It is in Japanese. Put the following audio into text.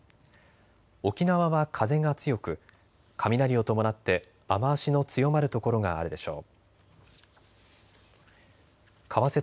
沖縄は風が強く雷を伴って雨足の強まる所があるでしょう。